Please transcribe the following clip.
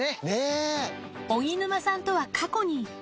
荻沼さんとは過去に。